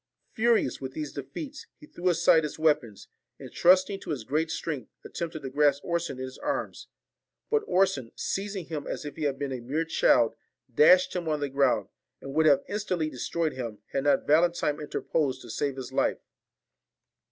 Furious with these defeats, he threw aside his weapons, and trusting to his great strength, attempted to grasp Orson in his arms : but Orson, seizing him as if he had been a mere child, dashed him on the ground, and would have instantly destroyed him, had not Valentine interposed to save his life.